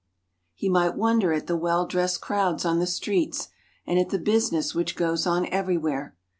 He might wonder at the well ^^H dressed crowds on the streets and at the business which ^^H goes on everywhere.